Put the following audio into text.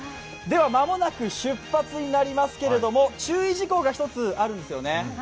では間もなく出発になりますけれども注意事項が１つあるんですよね。